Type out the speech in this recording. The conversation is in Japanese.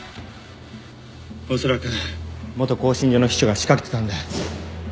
おそらく元興信所の秘書が仕掛けてたんだ。